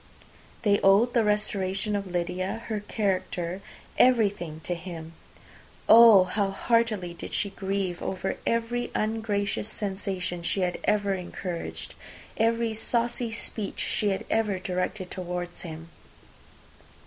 They owed the restoration of Lydia, her character, everything to him. Oh, how heartily did she grieve over every ungracious sensation she had ever encouraged, every saucy speech she had ever directed towards him!